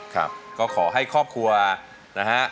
ครับก็ขอให้ครอบครัวนะฮะ